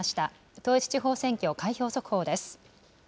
統一地方選挙開票速報です。